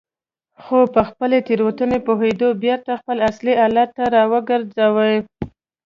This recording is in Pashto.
خو په خپلې تېروتنې پوهېدو یې بېرته خپل اصلي حالت ته راوګرځاوه.